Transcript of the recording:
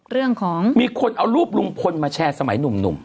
เรื่องของมีคนเอารูปลุงพลมาแชร์สมัยหนุ่ม